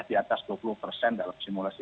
di atas dua puluh persen dalam simulasi tiga enam